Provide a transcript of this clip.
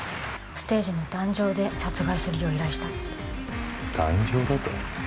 ステージの壇上で殺害するよう依頼したって壇上だと？